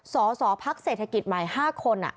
สอสอภักดิ์เศรษฐกิจใหม่๕คน